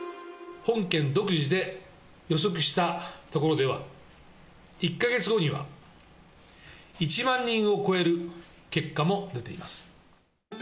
本県独自で予測したところでは、１か月後には１万人を超える結果も出ています。